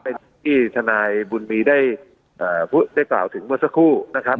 เป็นที่ทนายบุญมีได้กล่าวถึงเมื่อสักครู่นะครับ